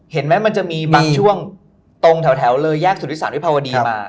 เห็นไหมมันจะมีบางช่วงตรงแถวเลยแยกสูตรศาสตร์วิพาวดีมา